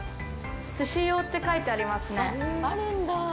寿司用って書いてありますね。